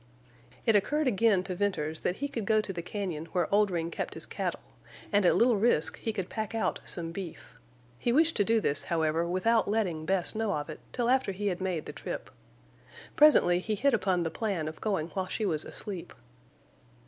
It occurred again to Venters that he could go to the cañon where Oldring kept his cattle, and at little risk he could pack out some beef. He wished to do this, however, without letting Bess know of it till after he had made the trip. Presently he hit upon the plan of going while she was asleep.